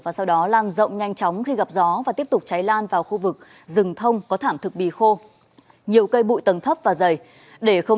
và sau đó lan rộng nhanh chóng khi gặp gió và tiếp tục cháy lan vào khu vực rừng thông có thảm thực bì khô